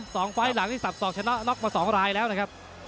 ไฟล์หลังนี่สับสอกชนะน็อกมาสองรายแล้วนะครับ